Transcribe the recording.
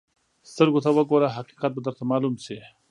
سترګو ته وګوره، حقیقت به درته معلوم شي.